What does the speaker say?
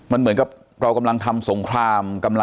มันเหมือนเรากำลังทำสงคราม